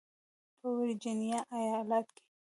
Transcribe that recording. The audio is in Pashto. په ورجینیا ایالت کې